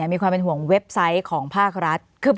มีความเป็นห่วงเว็บไซต์ของภาครัฐ